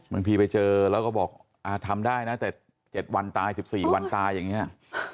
บางทีไปเจอแล้วก็บอกทำได้นะแต่๗วันตาย๑๔วันตายอย่างนี้